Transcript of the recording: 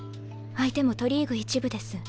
相手も都リーグ１部です。